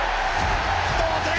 同点！